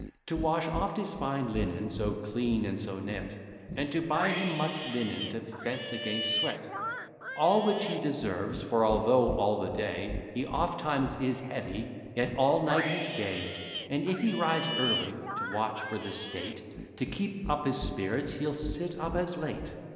To wash oft his fine linen, so clean and so neat, And to buy him much linen, to fence against sweat: All which he deserves; for although all the day He ofttimes is heavy, yet all night he's gay; And if he rise early to watch for the state, To keep up his spirits he'll sit up as late.